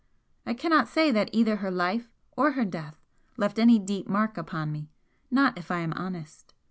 I cannot say that either her life or her death left any deep mark upon me not if I am honest.